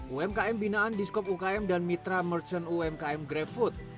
umkm binaan diskop ukm dan mitra merchant umkm graft food